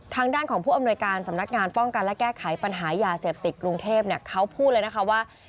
ทางด้านของผู้อำนวยการสำนักงานป้องกันและแก้ไขปัญหายาเสพติดกรุงเทพเขาพูดเลยนะคะว่า